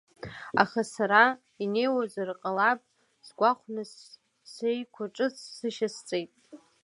Аха сара, инеиуазар ҟалап сгәахәны сеиқәа ҿыц сышьасҵеит.